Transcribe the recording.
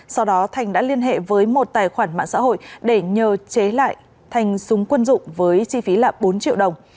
sau đó thành đã liên hệ với một tài khoản mạng xã hội để nhờ chế lại thành súng quân dụng với chi phí là bốn triệu đồng